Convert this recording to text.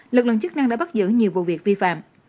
lực lượng chức năng đã bắt giữ nhiều vụ việc vi phạm